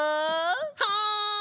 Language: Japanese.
はい！